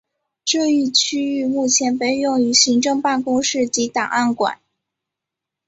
这一区域目前被用于行政办公室及档案馆。